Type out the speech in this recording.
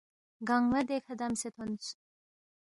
گنگمہ دیکھہ دمسے تھونس